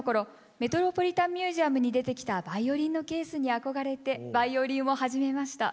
「メトロポリタン美術館」に出てきたバイオリンのケースに憧れてバイオリンを始めましたとのことです。